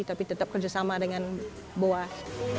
tapi tetap kerjasama dengan bawah